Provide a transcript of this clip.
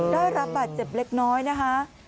ได้รับบาดเจ็บเล็กน้อยนะคะ